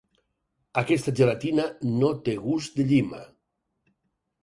Aquesta gelatina no té gust de llima.